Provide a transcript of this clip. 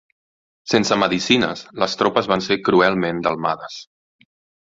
Sense medicines, les tropes van ser cruelment delmades.